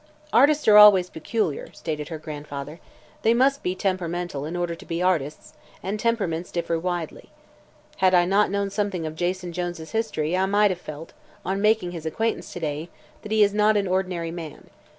"Artists are always peculiar," stated her grandfather. "They must be temperamental in order to be artists, and temperaments differ widely. Had I not known something of Jason Jones' history I might have felt, on making his acquaintance to day, that he is not an ordinary man.